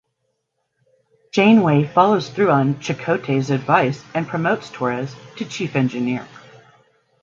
Janeway follows through on Chakotay's advice and promotes Torres to Chief Engineer.